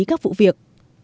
các vụ việc